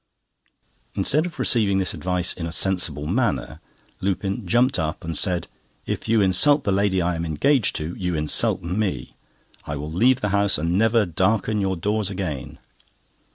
Instead of receiving this advice in a sensible manner, Lupin jumped up and said: "If you insult the lady I am engaged to, you insult me. I will leave the house and never darken your doors again."